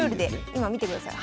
今見てください。